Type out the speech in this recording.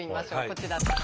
こちら。